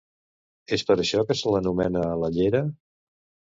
És per això que se l'anomena l'Allera?